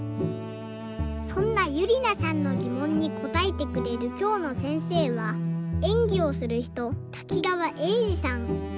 そんなゆりなさんのぎもんにこたえてくれるきょうのせんせいはえんぎをするひと滝川英治さん。